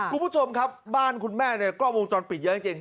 คุณผู้ชมครับบ้านคุณแม่เนี่ยกล้องวงจรปิดเยอะจริง